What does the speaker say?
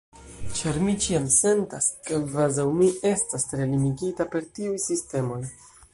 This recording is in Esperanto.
ĉar mi ĉiam sentas kvazaŭ mi estas tre limigita per tiuj sistemoj